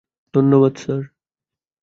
ধন্যবাদ স্যার।